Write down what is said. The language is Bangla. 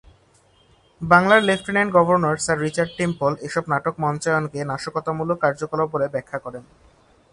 বাংলার lieutenant governor sir Richard Temple এসব নাটক মঞ্চায়নকে নাশকতামূলক কার্যকলাপ বলে ব্যাখ্যা করেন।